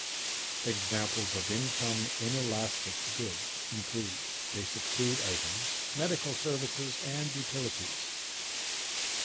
Examples of income inelastic goods include basic food items, medical services, and utilities.